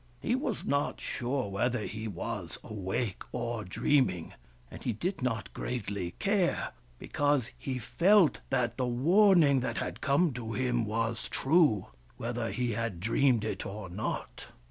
He was not sure whether he was awake or dreaming ; and he did not greatly care, because he felt that the warning that had come to him was true, whether he had dreamed it or not.